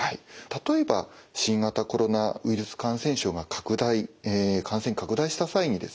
例えば新型コロナウイルス感染症が拡大感染拡大した際にですね